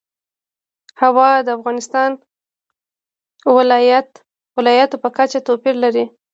هوا د افغانستان د ولایاتو په کچه توپیر لري.